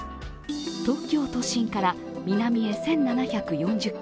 東京都心から南へ１７４０ｋｍ。